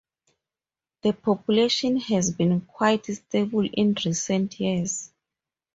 The population has been quite stable in recent years.